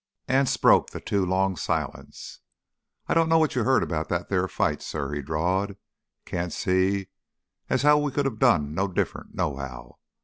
Anse broke the too long silence. "I don't know what you heard 'bout that there fight, suh," he drawled. "Can't see as how we could have done no different nohow.